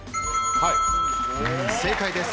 正解です